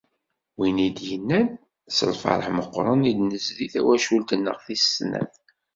Win i d-yennan: “S lferḥ meqqren i d-nezdi tawcult-nneɣ tis snat."